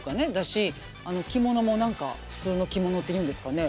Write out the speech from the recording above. あの着物も何か普通の着物っていうんですかね。